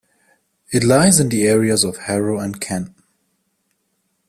It lies in the areas of Harrow and Kenton.